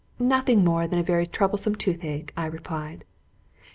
"Nothing more than a very troublesome tooth ache," I replied.